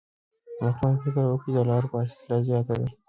واکمن فکر وکړ چې د لارو فاصله زیاته ده.